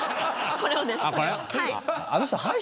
これ？